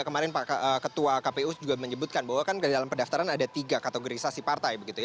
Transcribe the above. kemarin pak ketua kpu juga menyebutkan bahwa kan dalam pendaftaran ada tiga kategorisasi partai